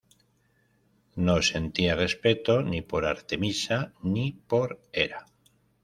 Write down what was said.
No sentía respeto ni por Artemisa ni por Hera.